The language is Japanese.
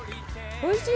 おいしい！